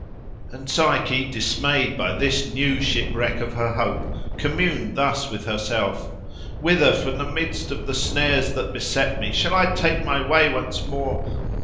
And Psyche, dismayed by this new shipwreck of her hope, communed thus with herself, "Whither, from the midst of the snares that beset me, shall I take my way once more?